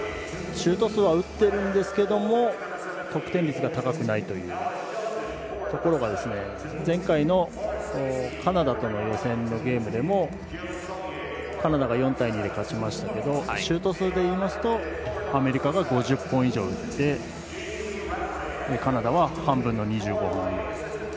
シュート数は打っているんですが得点率が高くないというところが前回のカナダとの予選のゲームもカナダが４対２で勝ちましたけどシュート数でいいますとアメリカが５０本以上打ってカナダは半分の２５本。